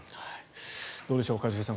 どうでしょう一茂さん